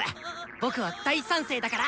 僕は大賛成だから！